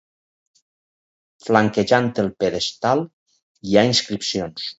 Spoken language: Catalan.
Flanquejant el pedestal hi ha inscripcions.